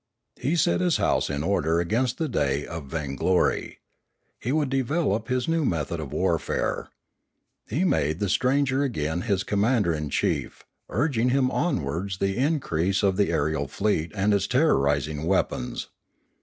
He set his house in order against the day of vainglory. He would develop his new method of warfare. He made the stranger again his commander in chief, urging him on towards the increase of the aerial fleet and of its terrorising weapons.